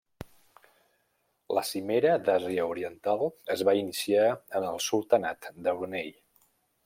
La Cimera d'Àsia Oriental es va iniciar en el Sultanat de Brunei.